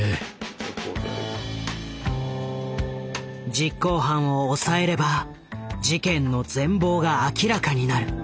実行犯を押さえれば事件の全貌が明らかになる。